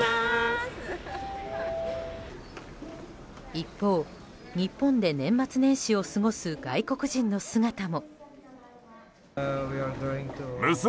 一方、日本で年末年始を過ごす外国人の姿も。